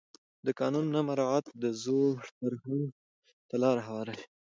د قانون نه مراعت د زور فرهنګ ته لاره هواروي